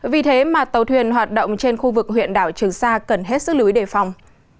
vì thế mà tàu thuyền hoạt động trên khu vực huyện đảo trường sa cần hết sức lưu ý đề phòng